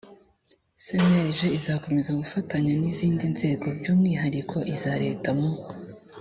cnlg izakomeza gufatanya n izindi nzego by umwihariko iza leta mu